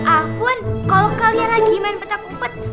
aku kan kalo kalian lagi main petak kumpet